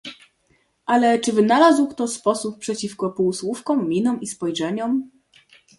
"Ale czy wynalazł kto sposób przeciw półsłówkom, minom i spojrzeniom?..."